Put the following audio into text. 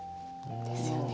ですよね。